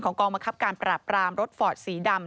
กองบังคับการปราบปรามรถฟอร์ดสีดำ